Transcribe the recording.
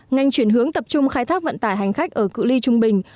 ngành chuyển hướng tập trung khai thác vận tải hành khách ở cự li trung bình